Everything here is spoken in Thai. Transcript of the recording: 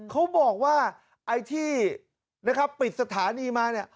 เขาบอกว่าไอ้ที่นะครับปิดสถานีมาเนี่ย